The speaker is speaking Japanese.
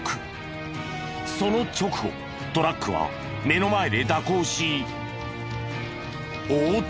その直後トラックは目の前で蛇行し横転。